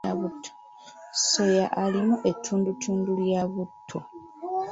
Soya alimu ettundutundu lya butto.